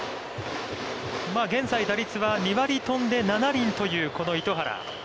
現在打率は２割飛んで７厘というこの糸原。